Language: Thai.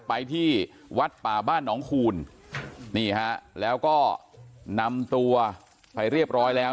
ไปที่วัดป่าบ้านหนองคูณนี่ฮะแล้วก็นำตัวไปเรียบร้อยแล้ว